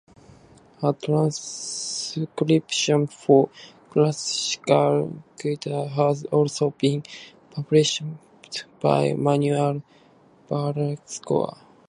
A transcription for classical guitar has also been published by Manuel Barrueco.